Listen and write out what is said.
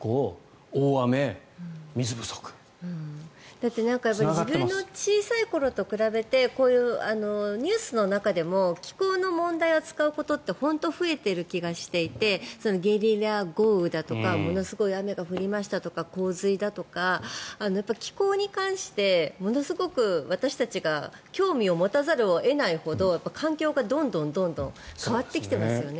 だって、小さい頃と比べてニュースの中でも気候の問題を扱うことって本当に増えている気がしていてゲリラ豪雨だとかものすごい雨が降りましたとか洪水だとか気候に関してものすごく私たちが興味を持たざるを得ないほど環境がどんどん変わってきてますよね。